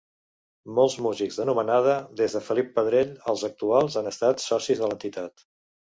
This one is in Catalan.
Molts músics d'anomenada, des de Felip Pedrell als actuals, han estat socis de l'entitat.